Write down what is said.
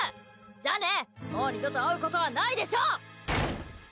じゃあね、もう二度と会うことはないでしょう！